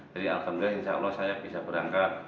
jadi alhamdulillah insya allah saya bisa berangkat